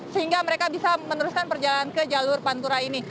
sehingga mereka bisa meneruskan perjalanan ke jalur pantura ini